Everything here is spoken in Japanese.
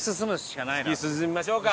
突き進みましょうか。